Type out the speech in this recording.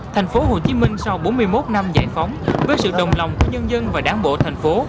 thành phố hồ chí minh sau bốn mươi một năm giải phóng với sự đồng lòng của nhân dân và đảng bộ thành phố